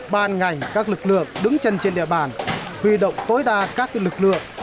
ban ngành các lực lượng đứng chân trên địa bàn huy động tối đa các lực lượng